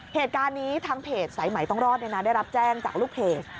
เหตุการณ์นี้ทางเพจสายใหม่ต้องรอดได้รับแจ้งจากลูกเพจ